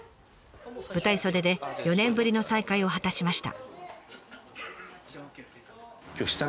舞台袖で４年ぶりの再会を果たしました。